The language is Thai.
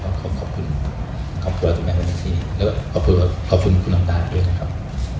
ก็ขอบคุณขอบคุณครับทุกคนที่แล้วก็ขอบคุณขอบคุณคุณตานด้วยนะครับ